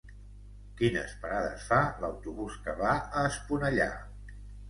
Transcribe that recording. Quines parades fa l'autobús que va a Esponellà?